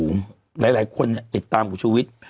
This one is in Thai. หลายคนเนี่ยเอกตามคุณชูวิทย์